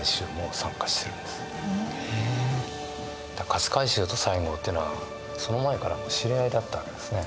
勝海舟と西郷っていうのはその前から知り合いだったわけですね。